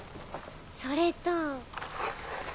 それと。